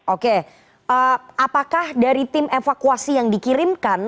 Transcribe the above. oke apakah dari tim evakuasi yang dikirimkan